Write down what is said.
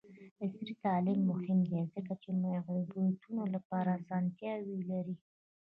عصري تعلیم مهم دی ځکه چې د معیوبینو لپاره اسانتیاوې لري.